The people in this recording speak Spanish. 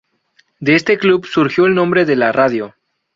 De este club surgió el nombre de la radio.